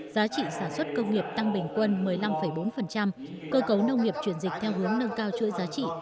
giá trị sản xuất công nghiệp tăng bình quân một mươi năm bốn cơ cấu nông nghiệp chuyển dịch theo hướng nâng cao chuỗi giá trị